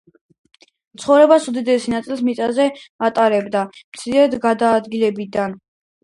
ცხოვრების უდიდეს ნაწილს მიწაზე ატარებენ, მცირედ გადაადგილდებიან.